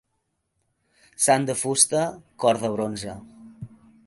Sant de fusta, cor de bronze.